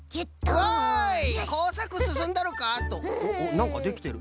なんかできてる。